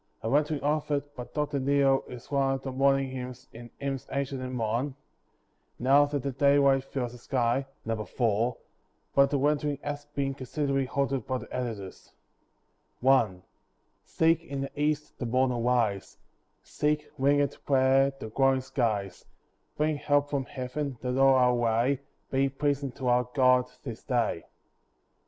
A rendering of it by Dr. Neale is one of the morning hymns in "Hymns Ancient and Modern," "Now that the daylight fills the sky" (No. 4); but the rendering has been considerably altered by the editors. I See in the east the morn arise; Seek, wingèd prayer, the glowing skies; Bring help from Heaven, that all our way Be pleasing to our God this day.